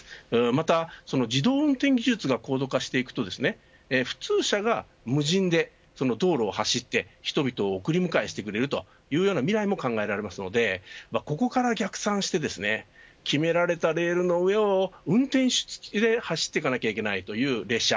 また自動運転技術が高度化していくと普通車が無人で道路を走って人々を送り迎えしてくれるという未来も考えられますのでここから逆算して決められたレールの上を運転手付きで走っていかなければいけないという列車